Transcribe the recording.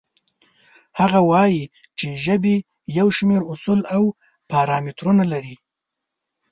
هغه وایي چې ژبې یو شمېر اصول او پارامترونه لري.